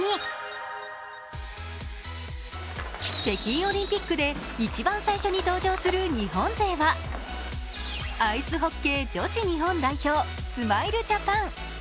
北京オリンピックで一番最初に登場する日本勢はアイスホッケー女子日本代表スマイルジャパン。